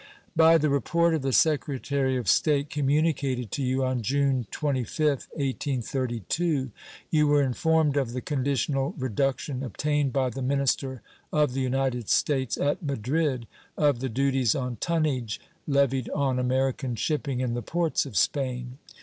By the report of the Secretary of State communicated to you on June 25th, 1832 you were informed of the conditional reduction obtained by the minister of the United States at Madrid of the duties on tonnage levied on American shipping in the ports of Spain.